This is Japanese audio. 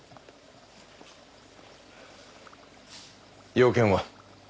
用件は？